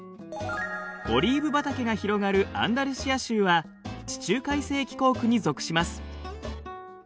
オリーブ畑が広がるアンダルシア州は地中海性気候区に属します。